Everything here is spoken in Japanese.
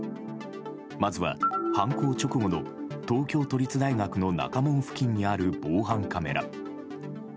まずは犯行直後の東京都立大学の中門付近にある防犯カメラ。